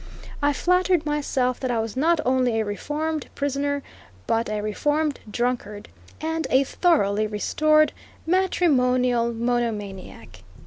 I flattered myself that I was not only a reformed prisoner, but a reformed drunkard, and a thoroughly restored matrimonial monomaniac.